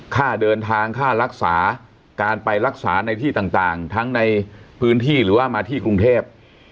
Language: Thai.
ค่าเดินทางค่ารักษาการไปรักษาในที่ต่างทั้งในพื้นที่หรือว่ามาที่กรุงเทพ